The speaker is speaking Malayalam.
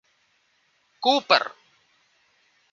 കൂപ്പര്